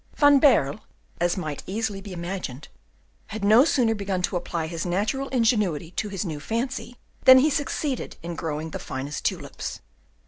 Van Baerle, as may easily be imagined, had no sooner begun to apply his natural ingenuity to his new fancy, than he succeeded in growing the finest tulips.